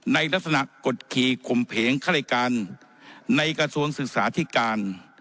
ในลักษณะกฎขีขมเพลงคลายการในกระทรวงศึกษาธิการ